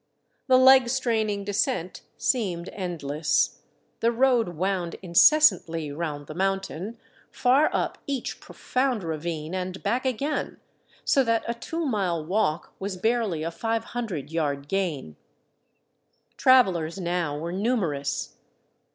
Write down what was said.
The leg straining descent seemed endless; the road wound incessantly round the mountain, far up each profound ravine and back again, so that a two mile walk was barely a 500 yard gain. Travelers now were numerous.